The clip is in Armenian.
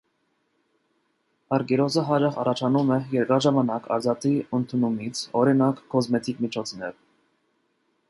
Արգիրոզը հաճախ առաջանում է երկար ժամանակ արծաթի ընդունումից, օրինակ՝ կոսմետիկ միջոցներ։